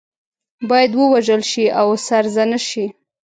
باید ووژل شي او سرزنش شي.